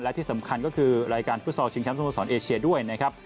และที่สำคัญก็คือรายการฟุตเซาสมุทรศรชิงแชมป์เอเชียด้วยนะครับ